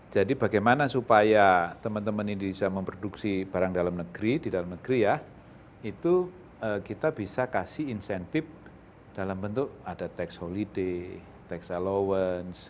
jadi bagaimana supaya teman teman ini bisa memproduksi barang dalam negeri di dalam negeri ya itu kita bisa kasih insentif dalam bentuk ada tax holiday tax allowance